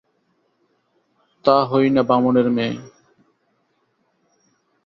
তা হই না বামুনের মেয়ে।